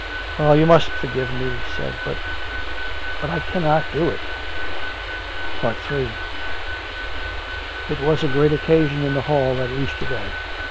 " Oh ! you must forgive me," he said. " But ... but I cannot do it !" III It was a great occasion in the hall that Easter Day.